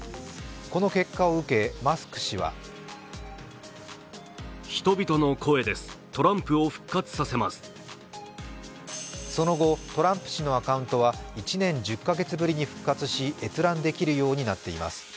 この結果を受けマスク氏はその後、トランプ氏のアカウントは１年１０か月ぶりに復活し閲覧できるようになっています。